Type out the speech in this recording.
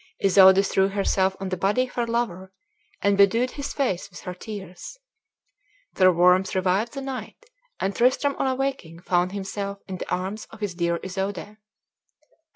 Isoude threw herself on the body of her lover, and bedewed his face with her tears. Their warmth revived the knight, and Tristram on awaking found himself in the arms of his dear Isoude.